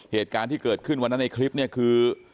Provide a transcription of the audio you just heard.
เหตุการณ์ที่เกิดขึ้นวันนั้นในคลิปเนี่ยคือ